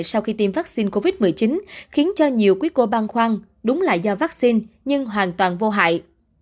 sau khi tiêm vaccine covid một mươi chín khiến cho nhiều quý cô băng khoan đúng là do vaccine nhưng hoàn toàn vô hại